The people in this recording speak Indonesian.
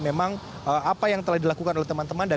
memang apa yang telah dilakukan oleh teman teman